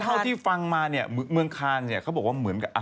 เท่าที่ฟังมาเนี่ยเมืองคานเนี่ยเขาบอกว่าเหมือนกับ